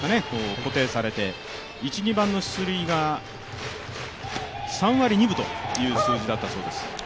固定されて、１番・２番の出塁が３割２分という数字だったそうです。